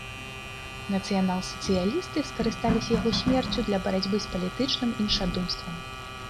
Нацыянал-сацыялісты скарысталіся яго смерцю для барацьбы з палітычным іншадумствам.